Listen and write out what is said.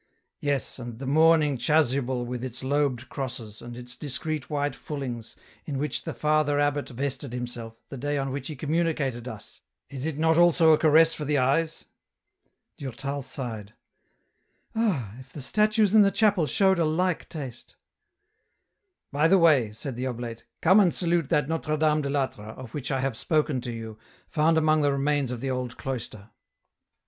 " Yes, and the mourning chasuble with its lobed crosses, and its discreet white fullings, in which the Father abbot vested himself, the day on which he communicated us, is not it also a caress for the eyes ?" Durtal sighed :" Ah ! if the statues in the chapel showed a like taste !"" By the way," said the oblate, " come and salute that Notre Dame de I'Atre, of which I have spoken to you, found among the remains of the old cloister.